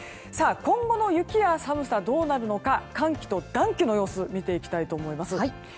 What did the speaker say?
今後の雪や寒さどうなるのか寒気と暖気の様子を見ていきたいと思います。